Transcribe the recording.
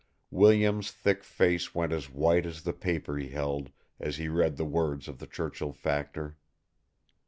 Williams' thick face went as white as the paper he held, as he read the words of the Churchill factor.